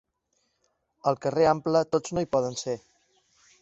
Al carrer ample tots no hi poden ser.